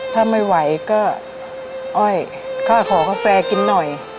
ถ้าไม่ไหวก็อ้อยก็ขอกาแฟกินหน่อย